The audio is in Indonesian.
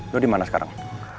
lu dimana sekarang